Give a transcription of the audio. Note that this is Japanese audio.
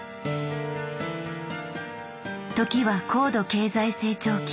時は高度経済成長期。